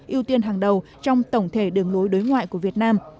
ưu tiên hàng đầu trong tổng thể đường lối đối ngoại của việt nam